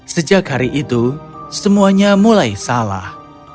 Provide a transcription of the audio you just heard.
sejak hari itu semuanya mulai salah